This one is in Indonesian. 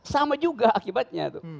sama juga akibatnya itu